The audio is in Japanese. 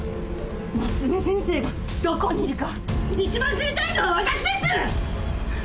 夏目先生がどこにいるか一番知りたいのは私です！